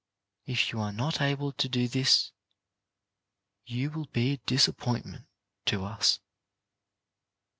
If you are not able to do this, you will be a disappointment to us.